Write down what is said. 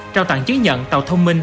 trao tặng chứng nhận tàu thông minh